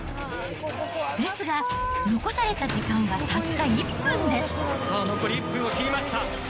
ですが、残された時間はたった１さあ、残り１分を切りました。